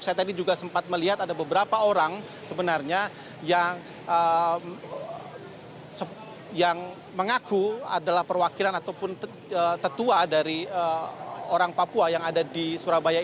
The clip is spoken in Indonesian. saya tadi juga sempat melihat ada beberapa orang sebenarnya yang mengaku adalah perwakilan ataupun tetua dari orang papua yang ada di surabaya